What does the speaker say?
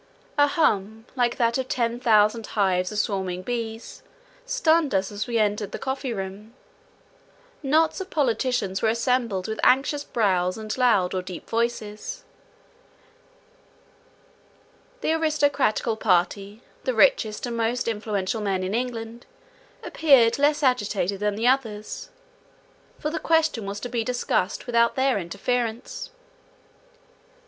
An hum, like that of ten thousand hives of swarming bees, stunned us as we entered the coffee room. Knots of politicians were assembled with anxious brows and loud or deep voices. The aristocratical party, the richest and most influential men in England, appeared less agitated than the others, for the question was to be discussed without their interference.